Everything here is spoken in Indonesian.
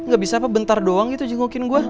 gak bisa apa bentar doang gitu jengukin gue